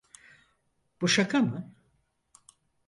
Bu şaka mı?